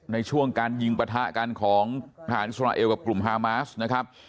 ในช่วงการยิงปะทะกันของทหารอิสราเอลกับกลุ่มฮามาสนะครับ